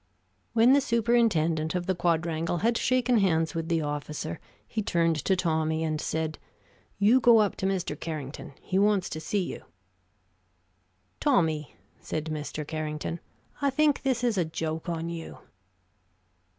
When the superintendent of the Quadrangle had shaken hands with the officer he turned to Tommy and said: "You go up to Mr. Carrington. He wants to see you." "Tommy," said Mr. Carrington, "I think this is a joke on you."